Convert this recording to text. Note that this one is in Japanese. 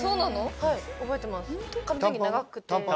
はい覚えてます。